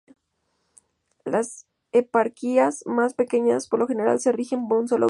Las eparquías más pequeñas, por lo general, se rigen por un solo obispo.